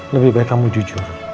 lebih baik kamu jujur